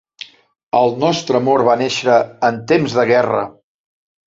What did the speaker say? El nostre amor va néixer en temps de guerra